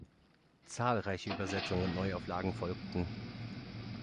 Zahlreiche Übersetzungen und Neuauflagen folgten.